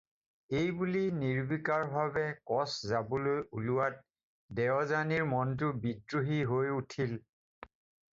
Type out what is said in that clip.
এইবুলি নিৰ্বিকাৰভাৱে কচ যাবলৈ ওলোৱাত দেৱযানীৰ মনটো বিদ্ৰোহী হৈ উঠিল।